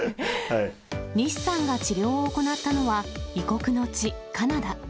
西さんが治療を行ったのは、異国の地、カナダ。